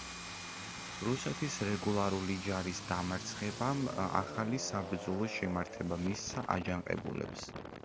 რუსეთის რეგულარული ჯარის დამარცხებამ ახალი საბრძოლო შემართება მისცა აჯანყებულებს.